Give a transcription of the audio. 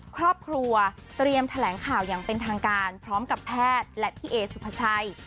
ครอบครัวเตรียมแถลงข่าวอย่างเป็นทางการพร้อมกับแพทย์และพี่เอสุภาชัย